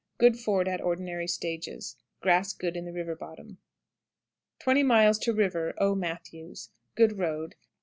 Good ford at ordinary stages. Grass good in the river bottom. 20. River "Aux Matthews." Good road.